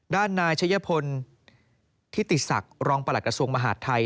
ด้านนายชัยพลทิติศักดิ์รองประหลัดกระทรวงมหาดไทย